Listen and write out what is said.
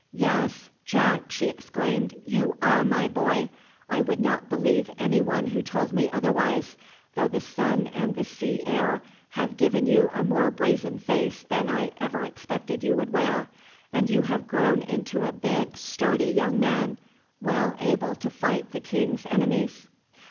"Yes, Jack," she exclaimed, "you are my boy! I would not believe any one who told me otherwise, though the sun and the sea air have given you a more brazen face than I ever expected you would wear, and you have grown into a big, sturdy young man, well able to fight the king's enemies."